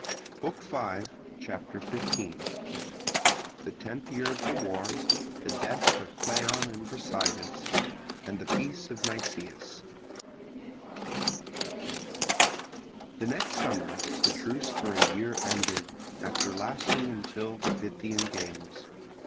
BOOK V CHAPTER XV Tenth Year of the War—Death of Cleon and Brasidas—Peace of Nicias The next summer the truce for a year ended, after lasting until the Pythian games.